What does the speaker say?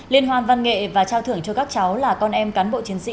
liên hoan văn nghệ và trao thưởng cho các cháu là con em cán bộ chiến sĩ